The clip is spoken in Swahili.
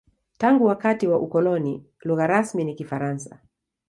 Tangu wakati wa ukoloni, lugha rasmi ni Kifaransa.